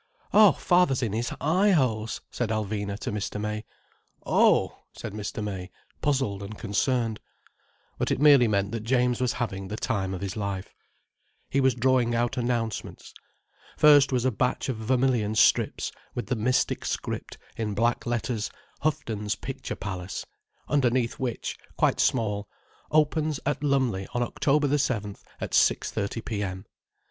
"Oh, father's in his eye holes," said Alvina to Mr. May. "Oh!" said Mr. May, puzzled and concerned. But it merely meant that James was having the time of his life. He was drawing out announcements. First was a batch of vermilion strips, with the mystic script, in big black letters: Houghton's Picture Palace, underneath which, quite small: Opens at Lumley on October 7th, at 6:30 P.M.